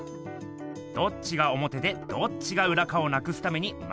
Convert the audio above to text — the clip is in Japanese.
どっちがおもてでどっちがうらかをなくすためにまるくなってるんす。